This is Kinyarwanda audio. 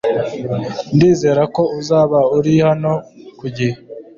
Ndizera ko uzaba uri hano ku gihe.